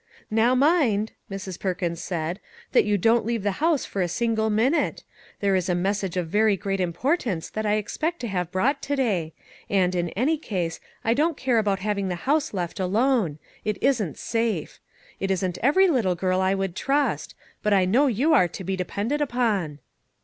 " Now mind," Mrs. Perkins said, " that you don't leave the house for a single minute ; there is a message of very great importance that I expect to have brought to day; and, in any case, I don't care about having the house left alone; it isn't safe. It isn't every little girl I would trust ; but I know you are to be depended upon."